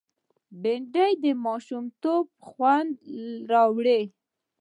بېنډۍ د ماشومتوب خوند راوړي